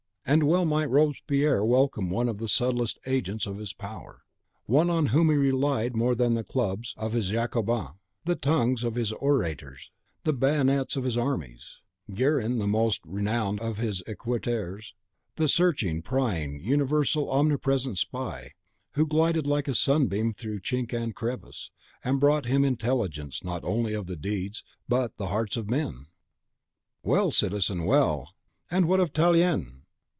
And well might Robespierre welcome one of the subtlest agents of his power, one on whom he relied more than the clubs of his Jacobins, the tongues of his orators, the bayonets of his armies; Guerin, the most renowned of his ecouteurs, the searching, prying, universal, omnipresent spy, who glided like a sunbeam through chink and crevice, and brought to him intelligence not only of the deeds, but the hearts of men! "Well, citizen, well! and what of Tallien?"